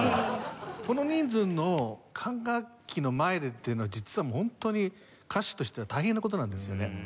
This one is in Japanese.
この人数の管楽器の前でっていうのは実は本当に歌手としては大変な事なんですよね。